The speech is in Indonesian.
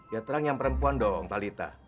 ya terang yang perempuan dong talita